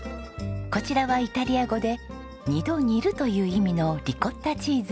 こちらはイタリア語で「二度煮る」という意味のリコッタチーズ。